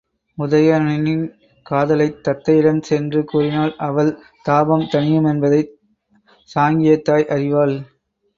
உதயணனின் காதலைத் தத்தையிடம் சென்று கூறினால் அவள் தாபம் தணியுமென்பதைச் சாங்கியத்தாய் அறிவாள்.